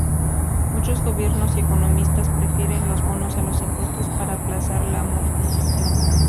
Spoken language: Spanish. Muchos gobiernos y economistas prefieren los bonos a los impuestos para aplazar la amortización.